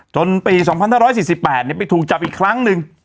จนปี๒๕๔๘เนี่ยไปถูกจับอีกครั้งนึง